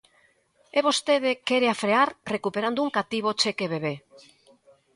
E vostede quérea frear recuperando un cativo cheque bebé.